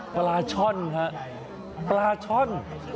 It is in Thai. ปลาช่อนฮะปลาช่อน